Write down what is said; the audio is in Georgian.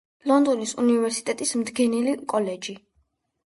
ლონდონის უნივერსიტეტის მდგენელი კოლეჯი.